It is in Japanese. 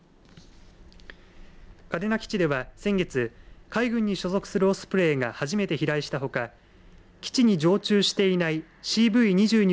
嘉手納基地では先月海軍に所属するオスプレイが初めて飛来したほか基地に常駐していないＣＶ２２